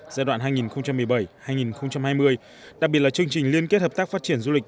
giai đoạn hai nghìn một mươi bảy hai nghìn hai mươi đặc biệt là chương trình liên kết hợp tác phát triển du lịch